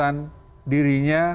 kemudian kebebasan dirinya